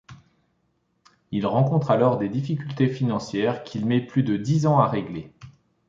Il rencontre alors des difficultés financières qu'il met plus de dix ans à régler.